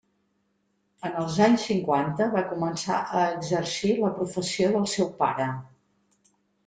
En els anys cinquanta va començar a exercir la professió del seu pare.